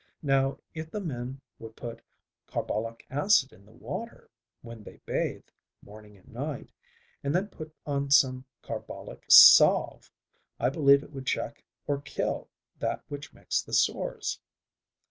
Now if the men would put carbolic acid in the water when they bathe morning and night and then put on some carbolic salve, I believe it would check or kill that which makes the sores."